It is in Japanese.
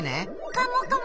カモカモ。